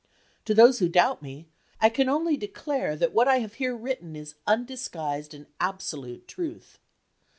To those who doubt me, I can only declare that what I have here written is undisguised and absolute truth.